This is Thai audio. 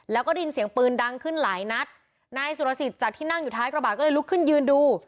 แล้วก็ได้ยินเสียงปืนดังขึ้นหลายนัดนายสุรสิทธิ์จากที่นั่งอยู่ท้ายกระบะก็เลยลุกขึ้นยืนดู